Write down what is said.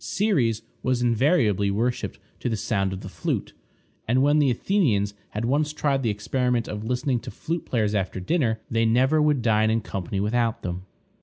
Ceres was invariably worshiped to the sound of the flute. And when the Athenians had once tried the experiment of listening to flute players after dinner, they never would dine in company without them.